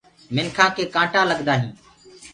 منکآ ڪي ڪآٽآ لگدآ هينٚ۔